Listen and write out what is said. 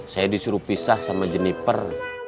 saya disuruh pisah sama jenniper